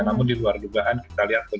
namun di luar dugaan kita bisa mengalahkan